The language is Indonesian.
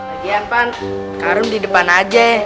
lagian pan kak rum di depan aja